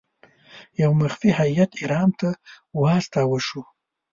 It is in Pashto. یو مخفي هیات ایران ته واستاوه شو.